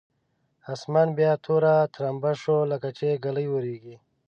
اسمان بیا توره ترامبه شو لکچې ږلۍ اورېږي.